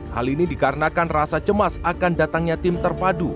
hal ini dikarenakan rasa cemas akan datangnya tim terpadu